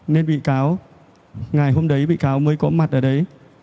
nên bị cáo ngày hôm đấy bị cáo mới có mặt ở đấy